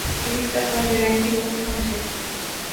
Police کا کام جرائم کی روک تھام ہے۔